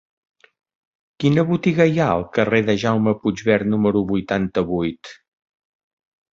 Quina botiga hi ha al carrer de Jaume Puigvert número vuitanta-vuit?